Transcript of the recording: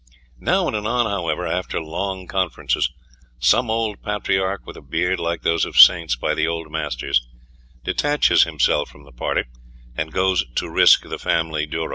Now and anon, however, after long conferences, some old patriarch, with a beard like those of saints by the Old Masters, detaches himself from the party and goes to risk the family duro.